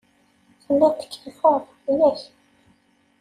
Telliḍ tkeyyfeḍ, yak?